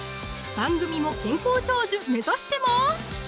番組も健康長寿目指してます